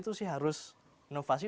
itu sih harus inovasi